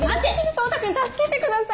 蒼汰君助けてください！